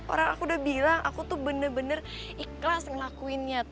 orang aku udah bilang aku tuh bener bener ikhlas ngelakuinnya